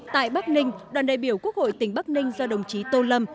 tại bắc ninh đoàn đại biểu quốc hội tỉnh bắc ninh do đồng chí tô lâm